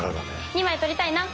２枚取りたいな。